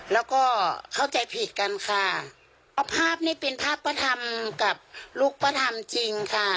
แล้วก็เข้าใจผิดกันค่ะภาพนี้เป็นภาพประธรรมกับลูกประธรรมจริงค่ะ